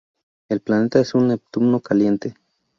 El planeta es un Neptuno caliente.